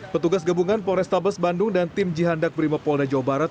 petugas gabungan polrestabes bandung dan tim jihandak brimopolda jawa barat